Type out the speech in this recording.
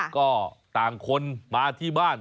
ก็ต่างคนมาที่บ้าน